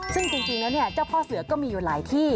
ซึ่งจริงแล้วเนี่ยเจ้าพ่อเสือก็มีอยู่หลายที่